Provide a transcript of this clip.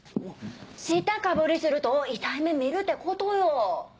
知ったかぶりすると痛い目見るってことよ。